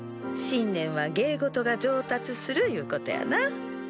新年は「芸事が上達する」ゆうことやな。